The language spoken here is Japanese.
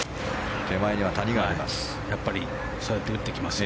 手前には谷があります。